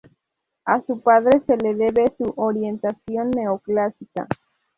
A su padre se le debe su orientación neoclásica.